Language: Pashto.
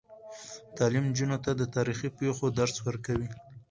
تعلیم نجونو ته د تاریخي پیښو درس ورکوي.